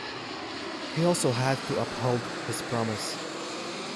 He also had to uphold his promise.